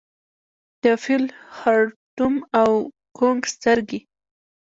د فیل خړتوم او کونګ سترګي